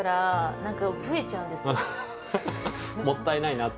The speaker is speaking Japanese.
もったいないなって？